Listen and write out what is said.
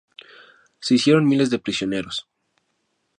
Se hicieron miles de prisioneros.